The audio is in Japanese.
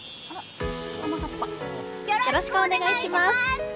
よろしくお願いします！